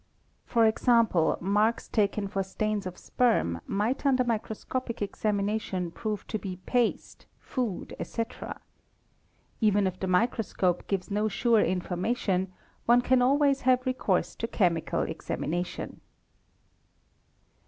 For example, marks q taken for stains of sperm might under microscopic examination prove to be paste, food, etc. Even if the microscope gives no sure information, one can always have recourse to chemical examination.